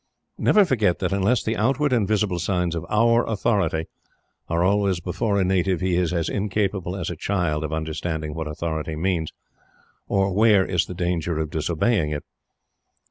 Never forget that unless the outward and visible signs of Our Authority are always before a native he is as incapable as a child of understanding what authority means, or where is the danger of disobeying it.